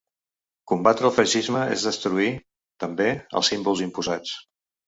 Combatre el feixisme és destruir, també, els símbols imposats.